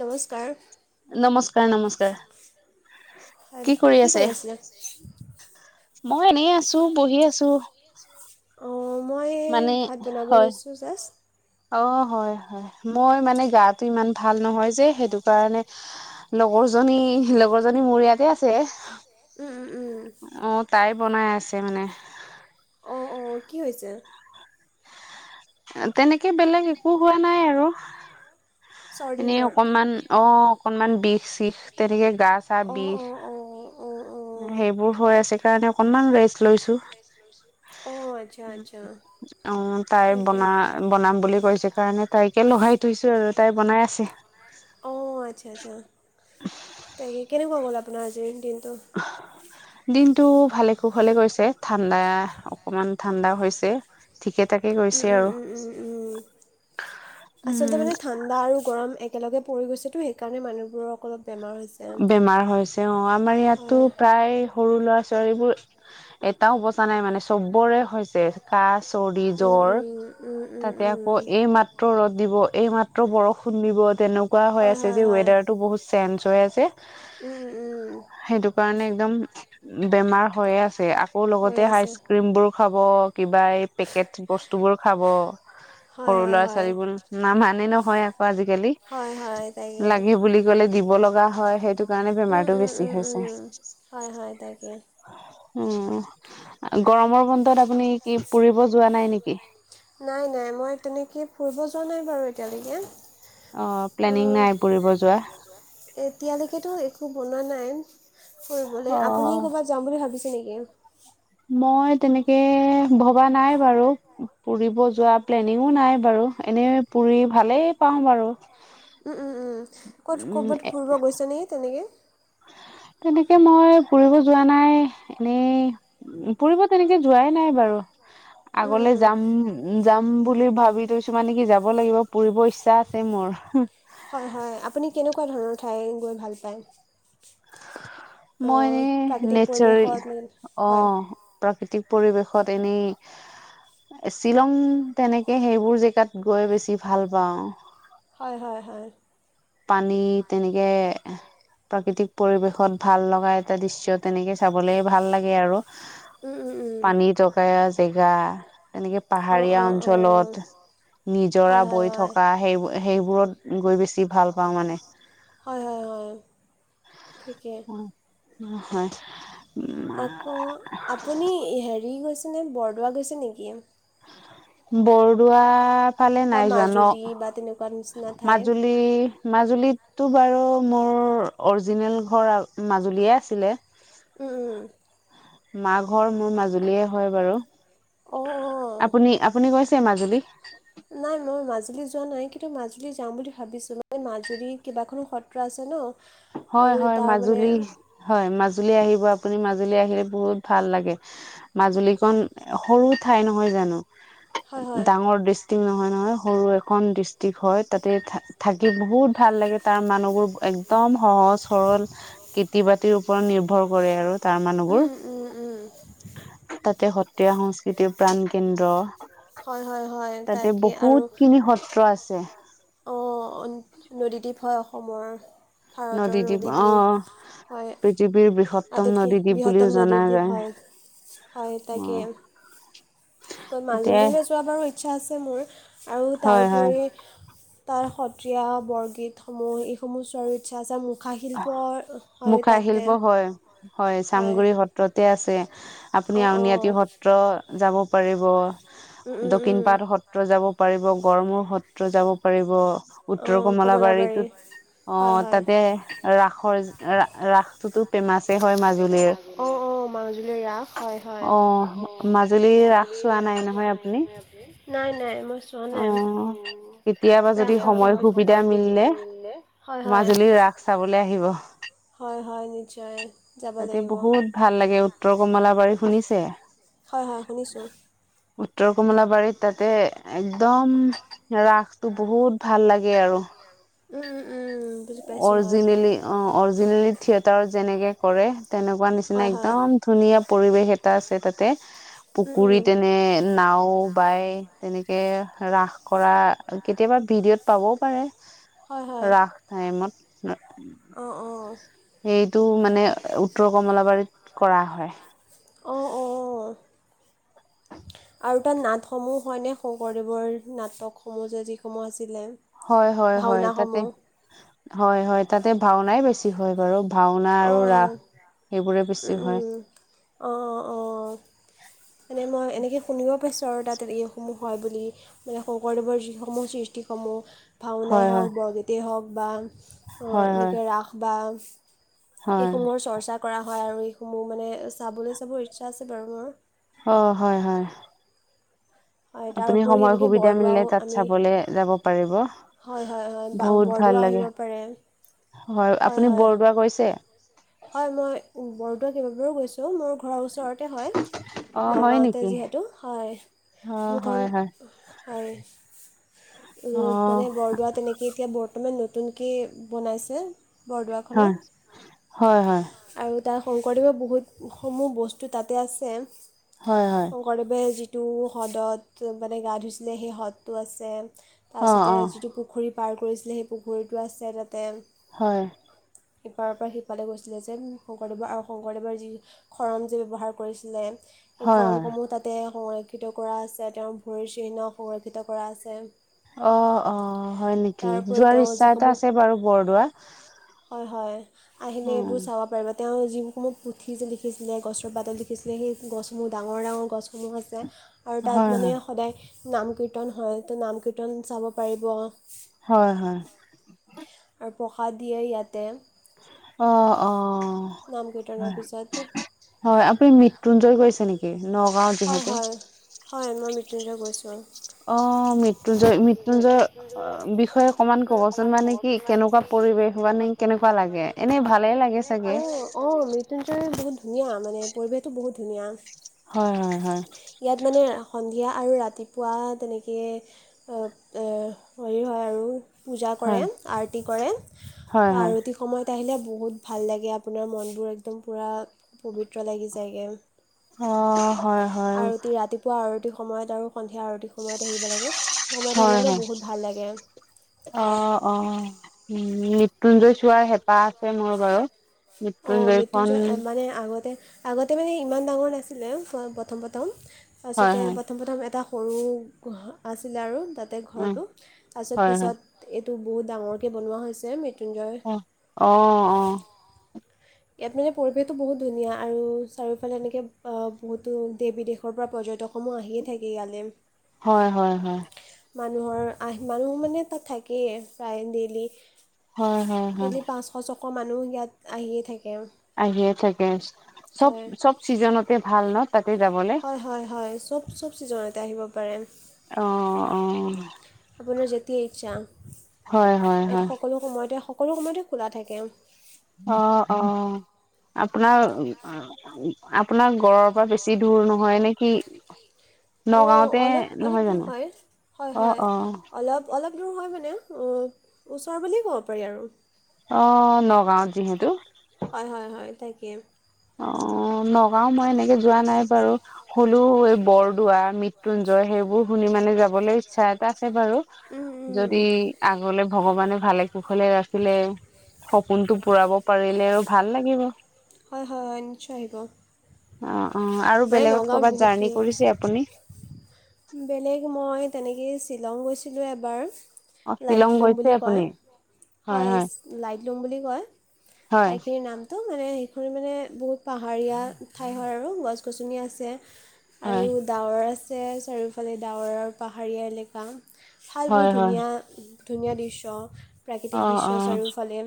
নমস্কাৰ নমস্কাৰ-নমস্কাৰ কি কৰি আছে। মই এনেই আছো বহি আছো। অঁ মই মানে ভাত বনাব হয়। লৈছোঁ জাষ্ট অ' হয়-হয় মই মানে গাটো ইমান ভাল নহয় যে সেইটো কাৰণে লগৰ জনী লগৰ জনী মোৰ ইয়াতে আছে। উম উম উম অ' তাই বনাই আছে মানে অঁ অঁ কি হৈছে। তেনেকে বেলেগ। একো হোৱা নাই আৰু চৰ্দি এনেই জ্বৰ অকনমান এনেই অ অকনমান বিষ। চিখ তেনেকে গা চা অঁ বিষ তেনেকৈ অঁ গাৰ অকণমান বিষ। অঁ অঁ অঁ সেইবোৰ হৈ আছে। কাৰণে অকনমান ৰেষ্ট লৈছো। অঁ আচ্ছা আচ্ছা অ' তাই তাকে বনা বনাম বুলি কৈছে কাৰণে তাইকে লগাই থৈছো আৰু তাই বনাই আছে। অ' আচ্ছা-আচ্ছা তাকে কেনেকুৱা গ'ল। বনাজি দিন্ত সটো ভালে খু ভালে গৈছে ঠাণ্ডা অকনমান ঠাণ্ডা হৈছে। ঠিকে থাকে গৈছে আৰু। আচলতে উম মানে ঠাণ্ডা আৰু গৰম। একেলগে পৰি গৈছে তো সেইকাৰণে মানুহবোৰৰ অলপ। বেমাৰ হৈছে। বেমাৰ হৈছে অ আমাৰ ইয়াততো প্ৰায় সৰু ল'ৰা ছোৱালীবোৰ। এটাও বচা নাই মানে চবৰে হৈছে কাচ। চৰি উম জ্বৰ উম উম উম তাতে আকৌ উম। এই মাত্ৰ ৰদ। দিব এইমাত্ৰ বৰষুণ দিব তেনেকুৱা হৈ হয় আছে হয় যে হয়। ৱেডাৰটো বহুত চেঞ্জ হৈ আছে। উম উম। সেইটো কাৰণে একদম বেমাৰ হৈয়ে আছে। লগতে আছে আইচ ক্ৰ্ৰীম বোৰ খাব কিবা এই পেকেট বস্তু বোৰ খাব। খাব হয় সৰু হয় ল'ৰা হয়। ছোৱালীব না মানে ন। হয় আকৌ আজিকালি হয় হয় তাকে। লাগে বুলি ক'লে দিব লগা। হয় সেইটো কাৰণে উম বেমাৰতটো উম বেছি উম হৈছে। উম হয় হয় তাকে। উম, গৰমৰ বন্তত আপুনি কি পুৰিব যোৱা নাই নেকি নাই-নাই মই তেনেকে ফুৰিব যোৱা নাই বাৰু অ প্লেনিং নাই পুৰিব যোৱা এতিয়ালৈকে এতিয়ালৈকেতো একো বনোৱা নাই অ কৰিবলৈ আপুনি ক'ৰবাত যাম বুলি ভাবিছে নেকি? মই তেনেকে ভবা নাই বাৰু ফুৰিব যোৱা প্লেনিঙো নাই বাৰু এ এনেই পুৰি ভালেই পাওঁ বাৰু। উম-উম-উম ক'ত উম ক'বাত ফুৰিব গৈছে নে তেনেকে। তেনেকে মই ফুৰিব যোৱা নাই এনেই ফুৰিব তেনেকে। যোৱাই নাই বাৰু উম আগলে উম যাম য বুলি ভাব কিছুমান নেকি যাব লাগিব পুৰিব ইচ্ছা আছে মোৰ। হয়-হয় আপুনি কেনেকুৱা ধৰণৰ ঠাই গৈ ভাল পায়। [inaudible] মই এনেই প্ৰাকৃতিক নেচাৰেল পৰিৱেশত অ হয় প্ৰাকৃতিক পৰিৱেশত এনেই। শ্বিলং তেনেকে সেইবোৰ জেগাত গৈ বেছি ভাল পাওঁ। হয়-হয়-হয়, পানী তেনেকে প্ৰাকৃতিক পৰিবেশত ভাল লগা এটা দৃষ্য তেনেকে চাবলে ভাল লাগে আৰু। উম উম উম পানী জকা জেগা এনেকে অঁ পাহাৰীয়া অঁ অঁ অঞ্চলত নিজৰা হয় হয় বৈ হয় থকা সেইবোৰ সেইবোৰত গৈ বেছি ভাল পাওঁ মানে। হয়-হয়-হয় ঠিকে। উম, হয়। আকৌ আপুনি হেৰি গৈছেনে বৰদোৱা গৈছে নেকি? বৰদোৱাত। ফালে বা নাই জোৱা ন মাজুলী বা তেনেকুৱা নিচিনা ঠাই মাজুলী মাজুলীত টো বাৰু মোৰ অৰিজিনেল ঘৰ মাজুলীয়ে আছিলে। উম- উম। মা ঘৰ মোৰ মাজুলীয়ে হয় বাৰু অঁ অঁ আপুনি- আপুনি গৈছ ছে মাজুলী। নাই মই মাজুলী যোৱা নাই কিন্তু মাজুলী যাম বুলি ভাবিছোঁ এই মাজুলী কেইবাখনো সত্ৰ আছে ন। আৰু হয়- হয় তাৰ মানে মাজুলী হয় মাজুলী আহ আপুনি মাজুলী আহিলে বহুত ভাল লাগে মাজুলীখন সৰু ঠাই নহয় জানো। হয় হয় ডাঙৰ দিচ টো নহয়- নহয় সৰু এখন ডিষ্ট্ৰিক্ট হয় তাতে থ থাকি বহুত ভাল লাগে তাৰ মানুহবোৰ একদম সহজ সৰল খেতি বাতিৰ ওপৰত নিৰ্ভৰ কৰে আৰু। তাৰ উম মানুহবোৰ উম- উম- উম। তাতে সত্ৰীয়া সংস্কৃতিৰ প্ৰাণ কেন্দ্ৰ। হয় হয় হয় তাতে তাকে বহুত খিনি সত্ৰ আছে। অ', নদীদ্বীপ হয় অসমৰ। নদীদ্বীপ অ', হয় পৃথিৱীৰ বৃহত্তম আটাইতকৈ নদীদ্বীপ বৃহত্তম বুলিও জনা নদীদ্বীপ হয় হয় যায় তাকে অ'। তাতে মাজুলীলৈ যোৱা বাৰু ইচ্ছা আছে মোৰ আৰু হয় হয় তাৰোপৰি তাৰ সত্ৰীয়া বৰগীতসমূহ এইসমূহ চোৱাৰো ইচ্ছা আছে মো মুখা শিল্প হয়- হয় চামগুৰি সত্ৰতে আছে। আপুনি অঁ অঁ আউনীআটি সত্ৰ যাব পাৰিব। উম, উম, দক্ষিণ উম। পাট সত্ৰ যাব পাৰিব গড়মূৰ সত্ৰ যাব পাৰিব। উত্তৰ অঁ কমলাবাৰী কমলাবাৰীতোত হয় অ' হয় তাকে। ৰাসৰ ৰাসটোটো ফেমাছে হয় মাজুলীৰ অঁ অঁ মাজুলীৰ ৰাস হয় হয় অ' মাজুলীৰ ৰাস চোৱা নাই নহয় আপুনি? নাই -নাই মই চোৱা নাই অ'। কেতিয়াবা যদি ৰাস সময় সুবিধা মিলিলে হয় মাজুলী ৰাস চাব লাগিব, হয় হয় নিশ্চয় যাব তাতে লাগিব বহুত ভাল লাগে উত্তৰ কমলাবাৰী শুনিছে। হয়-হয় শুনিছোঁ। উত্তৰ কমলাবাৰীত তাতে একদম ৰাসটো বহুত ভাল লাগে আৰু। উম উম- উম বুজি পাইছো হয়। অৰজিনেলি অ' অৰিজিনেলি থিয়েটাৰত যেনেকৈ কৰে তেনেকুৱা নিচিনা হয় হয় একদম ধুনীয়া পৰিৱেশ এটা আছে তাতে উম উম পুখুৰীত এনে নাও বাই তেনেকে ৰাস কৰা কেতিয়াবা ভিডিঅ'ত পাবও পাৰা। ৰাস টাইমত। অ'- অ'। টো মানে উত্তৰ কমলাবাৰীত কৰা হয়। অ'-অ'। আৰু তাত নাটসমূহ হয়নে, শংকৰদেৱৰ নাটকসমূহ যে যিসমূহ আছিলে। হয় হয়- হয় তাতে ভাওনাসমূহ হয়- হয় তাতে ভাওনাই বেছি হয় বাৰু। ভাওনা আৰু অঁ ৰাস অঁ সেইবোৰে বেছি হয়। অ'-অ'-অ'। মানে মই এনেকে শুনিব পাইছোঁ আৰু তাত এইসমূহ হয় বুলি মানে শংকৰদেৱৰ যিসমূহ সৃষ্টিসমূহ। ভাওনাই হয় হয় হওঁক বৰগীতেই হওক বা অ হয় হয় এনেকে ৰাস বা হয় এইসমূহৰ চৰ্চা কৰা হয় আৰু এইসমূহ মানে চাবলৈ চাবৰ ইচ্ছা আছে বাৰু মোৰ। অ', হয়- হয়। হয় আপুনি তাৰোপৰি সময় এনেকে সুবিধা মিলিলে বৰদোৱাও তাত আমি চাবলে যাব পাৰিব হয় হয়-হয় বা বহুত ভাল বৰদোৱা লাগে আহিব পাৰে হয় আপুনি হয়-হয়। বৰদোৱা গৈছে হয় মই বৰদোৱা কেইবাবাৰো গৈছো মোৰ ঘৰৰ ওচৰত ওচৰতে হয় অ হয় নগাঁৱতে নেকি যিহেতু হয়। অ মোৰ ঘৰ হয় হয় হয়। অ মানে বৰদোৱা তেনেকে এতিয়া বৰ্তমান নতুনকে বনাইছে। বৰদোৱাখনত হয় হয় হয় আৰু তা শংকৰদেৱে বহুতসমূহ বস্তু তাতে আছে, হয় হয় হয় শংকৰদেৱে যি যিটো হ্ৰদত মানে গা ধুইছিলে, সেই হ্ৰদটো আছে। অ তাৰপিছতে অ যিটো পুখুৰী পাৰ কৰিছিলে, সেই পুখুৰীটো আছে তাতে। হয়। সিপাৰৰ পৰা সিফালে গৈছিলে যে শংকৰদেৱৰ আৰু শংকৰদেৱৰ যি খৰম যে ব্যৱহাৰ কৰিছিলে। সেই হয় হয় খৰমসমূহ তাতে সংৰক্ষিত কৰা আছে, তেওঁৰ ভৰিৰ চিহ্ন সংৰক্ষিত কৰা আছে। অ', অ' হয় নেকি? তাৰ উপৰি যোৱাৰ তেওঁ ইচ্ছা এটা যিসমূহ আছে বাৰু বৰদোৱাত। হয়, হয় আহিলে এইবোৰ চাব পাৰিব। তেওঁ যিসমূহ পুথি যে লিখিছিলে গছৰ পাতত লিখিছিলে সেই গছসমূহ ডাঙৰ ডাঙৰ গছসমূহ আছে। আৰু তাত হয় মানে সদায় নাম, কীৰ্তন হয় তো নাম কীৰ্তন চাব পাৰিব। হয় হয় আৰু প্ৰসাদ দিয়ে ইয়াতে। অ', অ'। নাম কীৰ্তনৰ হয়, পিছত হয় আপুনি মৃত্যুঞ্জয় গৈছে নেকি? নগাঁওত হয়, যিহেতু হয়, হয় মই মৃত্যুঞ্জয় গৈছোঁ। অ' মৃত্যুঞ্জয় জয় মৃত্যুঞ্জয় বিষয়ে অকমান ক'বচোন মানে কি কেনেকুৱা পৰিৱেশ মানে কেনেকুৱা পৰিৱেশ লাগে এনেই কেনেকুৱা ভালে লাগে? এনেই চাগে ভালে অ', অ' মৃত্যুঞ্জয় বহুত ধুনীয়া মানে পৰিৱেশটো বহুত ধুনীয়া। হয়, হয়, হয়। ইয়াত মানে সন্ধিয়া আৰু ৰাতিপুৱা তেনেকে এ! এ! হেৰি হয় আৰু পূজা কৰে, হয় আৰতি কৰে, হয় হয় হয় আৰতি সময়ত আহিলে বহুত ভাল লাগে, আপোনাৰ মনবোৰ একদম পূৰা পবিত্ৰ লাগি যায়গে। অ হয় হয় আৰতি ৰাতিপুৱা, আৰতি সময়ত আৰু আৰুতি সময়ত আহিব লাগে, সেই সময়ত হয় আহিলে মানে হয় বহুত ভাল লাগে। অ', হয় অ' মৃত্যুঞ্জয় চোৱাৰ হেঁপাহ আছে মোৰ বাৰু। অ', মৃত্যুঞ্জয়খন মৃত্যুঞ্জয় মানে আগতে আগতে মানে ইমান ডাঙৰ নাছিলে, প্ৰথম প্ৰথম হয় তাৰপিছতে হয় প্ৰথম প্ৰথম এটা সৰু আছিলে আৰু তাতে উম ঘৰটো তাৰপিছত হয় হয় পিছত টো বহুত ডাঙৰ কে বনোৱা হৈছে মে অ'হ অ', অ'। ইয়াত মানে পৰিৱেশটো বহুত ধুনীয়া আৰু চাৰিওফালে এনেকৈ বহুতো দেশ বিদেশৰ পৰা পৰ্যটক সমূহ আহিয়ে থাকে ইয়ালে। হয় হয় হয় মানুহৰ আহ মানুহ মানে তাত থাকেই প্ৰায় ডেইলি। হয়, হয়, হয়। আকৌ মানুহ ইয়াত আহিয়ে থাকে। আহিয়ে থাকে চব, হয় চব চিজনতে ভাল ন। যাবলে হয়, হয়, হয় চব চব চিজনতে আহিব পাৰে। অ', অ'। আপোনাৰ যেতিয় ইচ্ছা হয় হয় ইয়াত হয় সকলো সময়তে সকলো সময়তে খোলা থাকে। অ অ আপোনাৰ আপোনাৰ ঘৰ পৰা বেছি দূৰ নহয় নেকি? অ', অলপ অলপ দূৰ হয়, হয়, অ হয় অ অলপ অপ অলপ দূৰ হয় মানে ওচৰ বুলিয়েই ক'ব পাৰি আৰু। অ', নগাঁৱত যিহেতু। হয় হয় হয় তাকে অ'। নগাওঁ মই এনেকে যোৱা নাই বাৰু হলো, এই বৰদোৱা, মৃত্যুঞ্জয় সেইবোৰ শুনি মানৰে যাবলৈ ইচ্ছা এটা আছে, বাৰু উম, উম। যদি আগলে ভগৱানে ভালে কুশলে ৰাখিলে সপোনতটো পুৰাব পাৰিলে আৰু ভাল লাগিব। হয়-হয়-হয় নিশ্চয় আহিব। অ অ আৰু মান বেলেগত নগাঁৱত কৰ'বাত বহুত জাৰ্ণি খিনি, কৰিছে আপুনি বেলেগ মই তেনেকেই শ্বিলং গৈছিলোঁ এবাৰ অ শ্বিলং লাইটলুম গৈছে বুলি কয়। আপুনি হয় হয় বুলি কয় হয় ঠাইখিনিৰ নামটো মানে সেইখন মানে বহুত পাহাৰীয়া ঠাই হয় আৰু গছ-গছনি আছে। আৰু হয় ডাৱৰ আছে চাৰিওফালে ডাৱৰৰ পাহাৰীয়া এলেকা। ভাল বহু হয় হয় ধুনীয়া-ধুনীয়া দৃশ্য অ', প্ৰাকৃতিক অ অ দৃশ্য চাৰিওফালে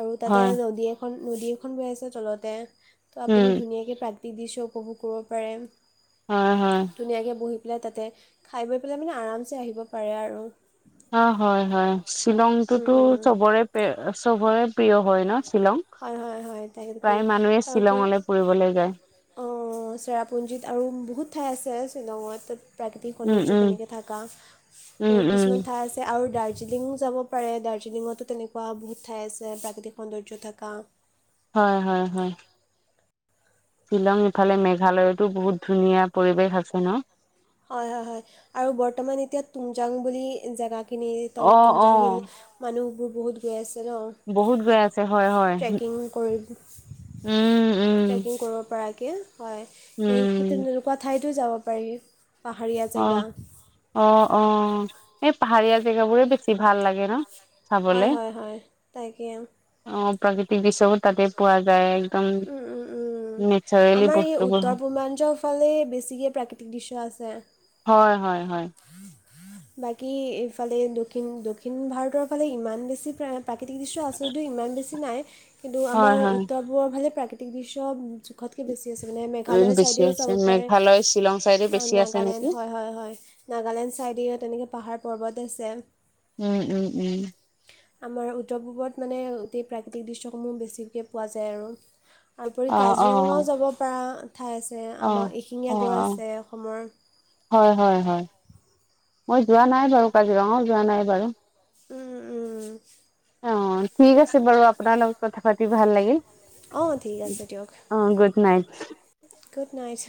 আৰু তাতে হয় নদী এখন নদী এখন বৈ আছে তলতে, ত' উম আপুনি ধুনীয়াকৈ প্ৰাকৃক দৃশ্য উপভোগ কৰিব পাৰে। অহ হ, ধুনীয়াকৈ বহি পেলাই তাতে খাই বৈ পেলাই মানে আৰামছে আহিব পাৰে আৰু। অ' হয়-হয় উম, শ্বিলংটোতো উম। চবৰে-চবৰে প্ৰিয় হয় ন। শ্বিলং হয় হয় হয় তাকে প্ৰায় মানুহে শ্বিলঙলৈ ফুৰিবলৈ যায়। অ' চেৰাপুঞ্জীত আৰু বহুত ঠাই আছে। শ্বিলঙত প্ৰাকৃতিক উম সৌন্দৰ্য উম তেনেকৈ থাককা উম বহুত উম কিছুমান ঠাই আছে আৰু দাৰ্জিলিং যাব পাৰে দাৰ্জিলিঙতো তেনেকুৱা বহুত ঠাই আছে প্ৰাকৃতিক সৌন্দৰ্য থকা। হয়-হয়-হয়, শ্বিলং ইফালে মেঘালয়তো বহুত ধুনীয়া পৰিৱেশ আছে ন। হয়-হয়-হয় আৰু বৰ্তমান এতিয়া তুংজাং বুলি জেগা। খিনি তম অ তুমজাং অ মানুহবোৰ বহুত গৈ আছে। ন বহুত গৈ আছে হয়-হয়, ট্ৰেকিং কৰি উম, উম ট্ৰেকিং কৰিব পৰাকৈ হয় সেই সেই উম তেনেকুৱা ঠাইতো যাব পাৰি। পাহাৰীয়া জেগা অ-অ-অ এই পাহাৰীয়া জেগাবোৰে বেছি ভাল লাগে ন। চাবলে হয়-হয়-হয় তাকেই। অ প্ৰাকৃতিক দৃশ্যবোৰ তাতে পোৱা যায় একদম উম-উম-উম নেচাৰেলি আমাৰ এই বস্তুবোৰ উত্তৰ-পূৰ্বাঞ্চল, ফালে বেছিকৈ প্ৰাকৃতিক দৃশ্য আছে। হয়-হয়-হয়, বাকী এইফালে দক্ষিণ-দক্ষিণ ভাৰতৰ ফালে ইমান বেছি প্ৰায়, প্ৰাকৃতিক দৃশ্য আচলতেও ইমান বেছি নাই। কিন্তু হয় আমাৰ হয় উত্তৰ পূৰবৰ ফালে প্ৰাকৃতিক দৃশ্য জোখতকৈ বেছি। ঠিক আছে মানে উম মেঘালয়ৰ বেছি ছাইডেও চাব আছে পাৰে মেঘালয় শ্বিলং চাইডে অ বেছি আছে নাগালেণ্ড নেকি হয়-হয়-হয়। নাগালেণ্ড ছাইডেও তেনেকৈ পাহাৰ পৰ্বত আছে। উম-উম-উম। আমাৰ উত্তৰ পূৰ্বত মানে গোটেই প্ৰাকৃতিক দৃশ্যসমূহ বেছিকৈ পোৱা যায় আৰু। তাৰপৰি অ অ কাজিৰঙাও যাব পৰা। ঠাই আছে, অ আমাৰ অ এশিঙীয়া অ গড় আছে, অসমৰ। হয় হয় হয় মই যোৱা নাই বাৰু কাজিৰঙও যোৱা নাই বাৰু। উম-উম, অ' ঠিক আছে বাৰু আপোনাৰ লগত কথা পাতি ভাল লাগিল। অঁ ঠিক আছে দিয়ক অ' গুত নাইট। Good night.